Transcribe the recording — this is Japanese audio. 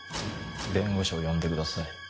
弁護士を呼んでください。